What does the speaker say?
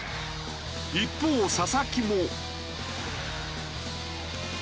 一方佐々木も。